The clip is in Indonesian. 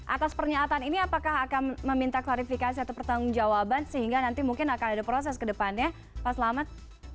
atas pernyataan ini apakah akan meminta klarifikasi atau pertanggung jawaban sehingga nanti mungkin akan ada proses ke depannya pak selamat